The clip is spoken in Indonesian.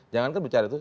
jangankan bicara itu